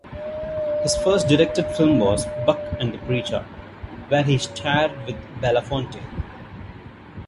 His first directed film was "Buck and the Preacher", where he starred with Belafonte.